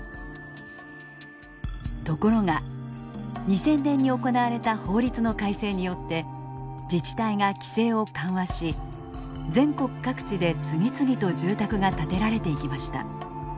ところが２０００年に行われた法律の改正によって自治体が規制を緩和し全国各地で次々と住宅が建てられていきました。